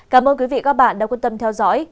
cảm ơn quý vị và các bạn đã quan tâm theo dõi